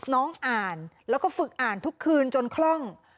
น้องอ่านแล้วก็ฝึกอ่านทุกคืนจนคล่อง